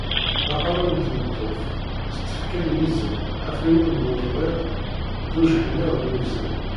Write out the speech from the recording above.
D aqerru n tmeṭṭut, s tfekka n yizem, afriwen n wegḍid d ujeḥniḍ n wezrem.